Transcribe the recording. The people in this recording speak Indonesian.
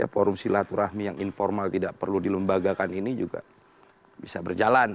forum silaturahmi yang informal tidak perlu dilembagakan ini juga bisa berjalan